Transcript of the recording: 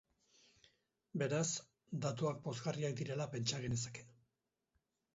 Beraz, datuak pozgarriak direla pentsa genezake.